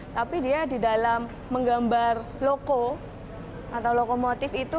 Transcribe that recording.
tapi dia di dalam menggambar loko atau lokomotif itu